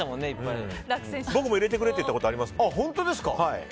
僕も入れてくれって言ったことありますよ。